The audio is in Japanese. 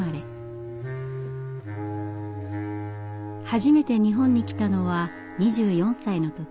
初めて日本に来たのは２４歳の時。